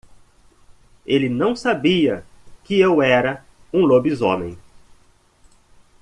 Ele não sabia que eu era um lobisomem